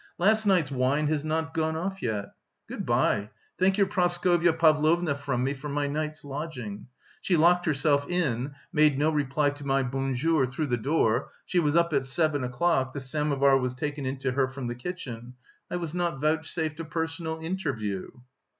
Last night's wine has not gone off yet.... Good bye; thank your Praskovya Pavlovna from me for my night's lodging. She locked herself in, made no reply to my bonjour through the door; she was up at seven o'clock, the samovar was taken into her from the kitchen. I was not vouchsafed a personal interview...."